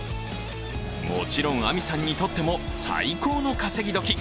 もちろんあみさんにとっても最高の稼ぎどき。